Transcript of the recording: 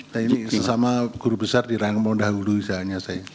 saya ini sesama guru besar di rangka mudah hulu seharusnya saya